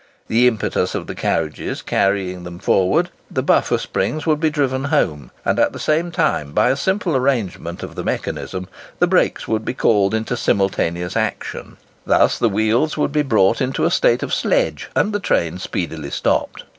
The impetus of the carriages carrying them forward, the buffer springs would be driven home and, at the same time, by a simple arrangement of the mechanism, the brakes would be called into simultaneous action; thus the wheels would be brought into a state of sledge, and the train speedily stopped.